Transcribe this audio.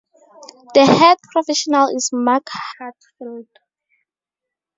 The Head Professional is Mark Heartfield.